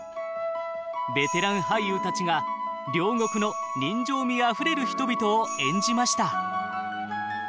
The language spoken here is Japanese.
ベテラン俳優たちが両国の人情味あふれる人々を演じました。